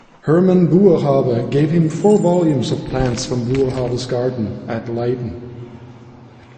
Herman Boerhaave gave him four volumes of plants from Boerhaave's gardens at Leiden.